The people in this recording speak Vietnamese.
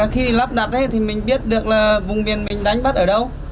khi lắp đặt thì mình biết được là vùng biển mình đánh bắt ở đâu